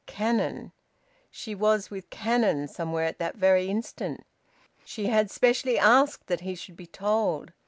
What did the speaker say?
Cannon! She was with Cannon somewhere at that very instant... She had specially asked that he should be told.